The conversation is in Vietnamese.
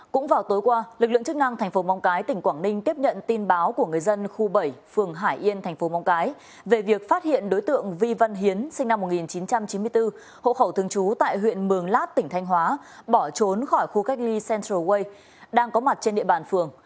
cũng vào tối qua lực lượng chức năng thành phố móng cái tỉnh quảng ninh tiếp nhận tin báo của người dân khu bảy phường hải yên thành phố móng cái về việc phát hiện đối tượng vi văn hiến sinh năm một nghìn chín trăm chín mươi bốn hộ khẩu thường trú tại huyện mường lát tỉnh thanh hóa bỏ trốn khỏi khu cách ly central way đang có mặt trên địa bàn phường